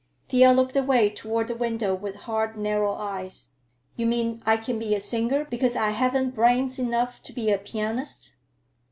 Thea looked away toward the window with hard, narrow eyes. "You mean I can be a singer because I haven't brains enough to be a pianist."